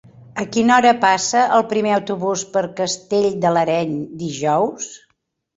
A quina hora passa el primer autobús per Castell de l'Areny dijous?